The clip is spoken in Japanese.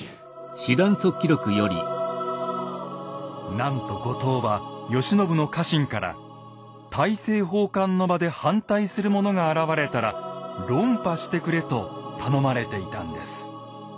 なんと後藤は慶喜の家臣から大政奉還の場で反対する者が現れたら論破してくれと頼まれていたんです。